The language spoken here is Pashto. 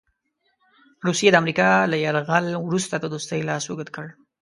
روسیې د امریکا له یرغل وروسته د دوستۍ لاس اوږد کړ.